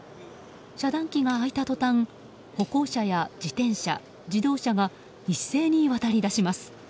遮断機が開いた途端歩行者や自転車、自動車が一斉に渡り出します。